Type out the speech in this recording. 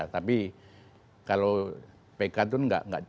tapi kalau pk itu nggak